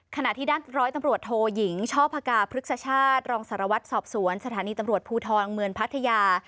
ขณะที่ด้านร้อยตำรวจโทยิงช่อพกาพฤกษชาติรองสารวัตรสอบสวนสถานีตำรวจภูทรเมืองพัทยา